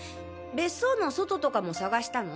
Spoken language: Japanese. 別荘の外とかも捜したの？